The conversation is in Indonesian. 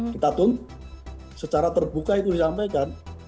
kita tuntut secara terbuka itu disampaikan